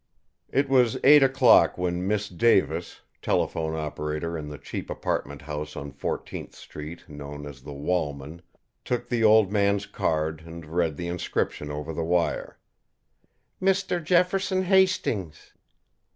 It was eight o'clock when Miss Davis, telephone operator in the cheap apartment house on Fourteenth street known as The Walman, took the old man's card and read the inscription, over the wire: "'Mr. Jefferson Hastings.'"